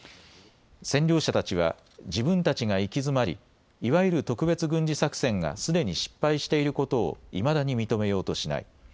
占領者たちは自分たちが行き詰まり、いわゆる特別軍事作戦がすでに失敗していることをいまだに認めようとしない。